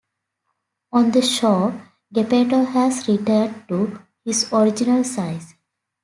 On the shore, Geppetto has returned to his original size.